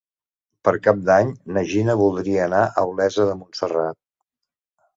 Per Cap d'Any na Gina voldria anar a Olesa de Montserrat.